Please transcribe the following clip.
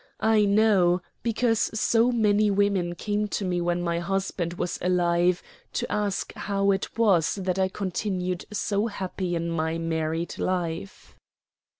I know, because so many women came to me when my husband was alive to ask how it was that I continued so happy in my married life."